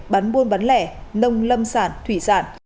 bán buôn bán lẻ nông lâm sản thủy sản